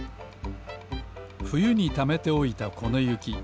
ふゆにためておいたこのゆき。